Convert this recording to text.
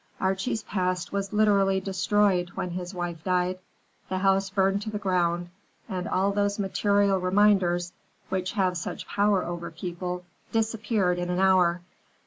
Archie's past was literally destroyed when his wife died. The house burned to the ground, and all those material reminders which have such power over people disappeared in an hour.